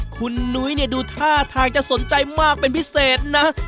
คุณนุ้ยเนี่ยดูท่าทางจะสนใจมากเป็นพิเศษนะ